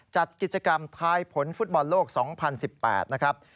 จัดกิจกรรมทายผลฟุตบอลโลก๒๐๑๘นะครับ